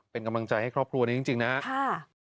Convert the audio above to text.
เป็นกำลังใจให้ครอบครัวนี้จริงนะครับ